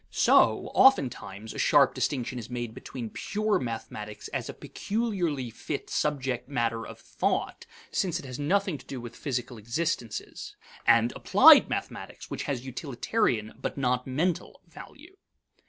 So, oftentimes, a sharp distinction is made between pure mathematics as a peculiarly fit subject matter of thought (since it has nothing to do with physical existences) and applied mathematics, which has utilitarian but not mental value.